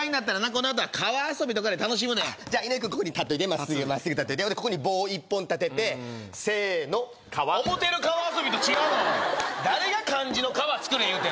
このあとは川遊びとかで楽しむねんじゃあ井上君ここに立っといてまっすぐまっすぐ立っといてでここに棒１本立ててせーの川思てる川遊びと違うわ誰が漢字の「川」作れ言うてんおい